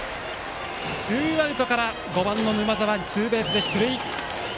ツーアウトから５番の沼澤、ツーベースで出塁。